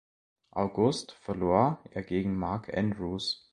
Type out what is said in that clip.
August verlor er gegen Mark Andrews.